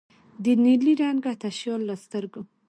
د نیلي رنګه تشیال له سترګو